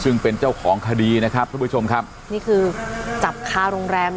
ซึ่งเป็นเจ้าของคดีนะครับทุกผู้ชมครับนี่คือจับคาโรงแรม